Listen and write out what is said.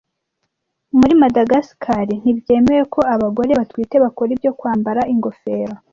Muri Madagasikari ntibyemewe ko abagore batwite bakora ibyo Kwambara Ingofero